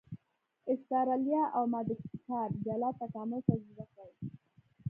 استرالیا او ماداګاسکار جلا تکامل تجربه کړ.